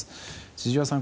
千々岩さん